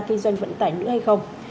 kinh doanh vận tải nữa hay không